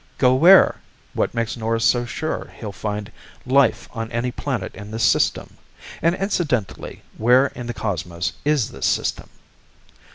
"Go where? What makes Norris so sure he'll find life on any planet in this system? And incidentally where in the cosmos is this system?"